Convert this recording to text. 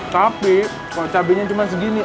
tapi kok cabainya cuma segini